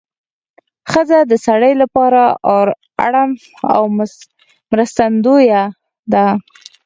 ښځه د سړي لپاره اړم او مرستندویه ده